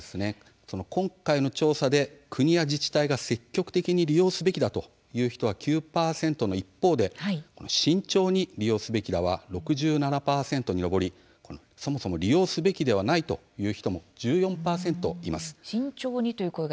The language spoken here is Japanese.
今回の調査で国や自治体が積極的に利用すべきだという人は９％の一方で慎重に利用すべきだは６７％に上りそもそも利用すべきでないという人も１４％います。